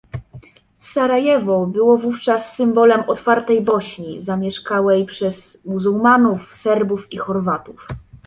Sarajewo było wówczas symbolem otwartej Bośni, zamieszkałej przez muzułmanów, Serbów i Chorwatów